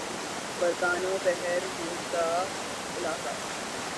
برطانوی بحر ہند کا علاقہ